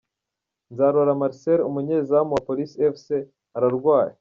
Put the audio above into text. Nzarora Marcel umunyezamu wa Police Fc ararwaye .